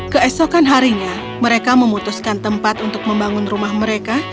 keesokan harinya mereka memutuskan tempat untuk membangun rumah mereka